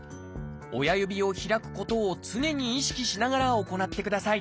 親指を開くことを常に意識しながら行ってください。